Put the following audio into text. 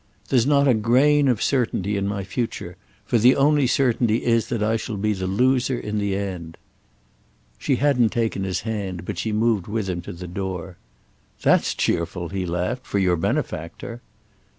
"There's not a grain of certainty in my future—for the only certainty is that I shall be the loser in the end." She hadn't taken his hand, but she moved with him to the door. "That's cheerful," he laughed, "for your benefactor!"